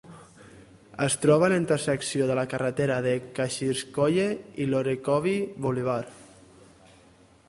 Es troba a la intersecció de la carretera de Kashirskoye i l'Orekhovy Boulevard.